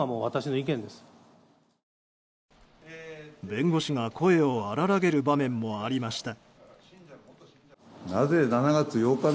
弁護士が声を荒らげる場面もありました。